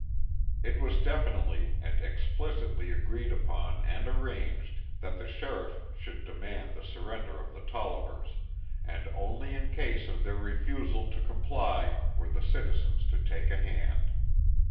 It was definitely and explicitly agreed upon and arranged that the sheriff should demand the surrender of the Tollivers, and only in case of their refusal to comply were the citizens to take a hand.